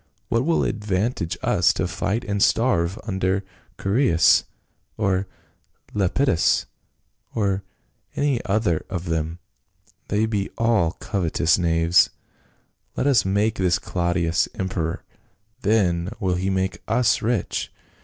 What will it advantage us to fight and starve under Chaereas, or Lepidus, or any one of them ? they be all covetous knav^es. Let us make this Claudius emperor, then will he make us rich.